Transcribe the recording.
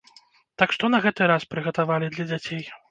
Так што на гэты раз прыгатавалі для дзяцей?